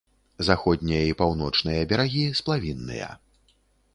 Заходнія і паўночныя берагі сплавінныя.